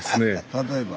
例えば。